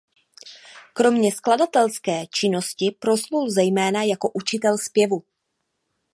Kromě skladatelské činnosti proslul zejména jako učitel zpěvu.